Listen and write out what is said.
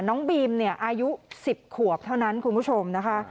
น้องบีมเนี่ยอายุ๑๐ขวบเท่านั้นคุณผู้ชมนะคะ